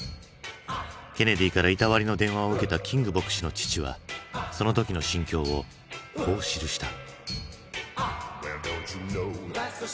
ケネディからいたわりの電話を受けたキング牧師の父はその時の心境をこう記した。